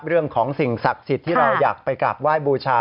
เรื่องของสิ่งศักดิ์สิทธิ์ที่เราอยากไปกราบไหว้บูชา